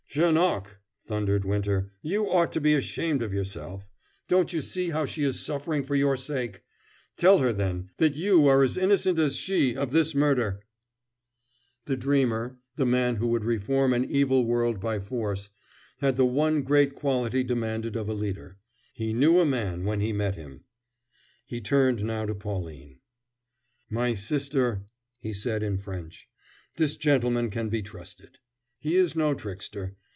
"Janoc," thundered Winter, "you ought to be ashamed of yourself. Don't you see how she is suffering for your sake? Tell her, then, that you are as innocent as she of this murder?" The dreamer, the man who would reform an evil world by force, had the one great quality demanded of a leader he knew a man when he met him. He turned now to Pauline. "My sister," he said in French, "this gentleman can be trusted. He is no trickster.